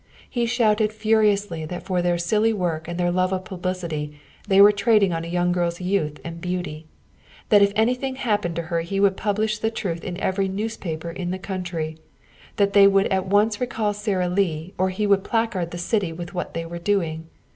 He shouted furiously that for their silly work and their love of publicity, they were trading on a girl's youth and beauty; that if anything happened to her he would publish the truth in every newspaper in the country; that they would at once recall Sara Lee or he would placard the city with what they were doing.